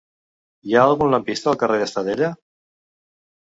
Hi ha algun lampista al carrer d'Estadella?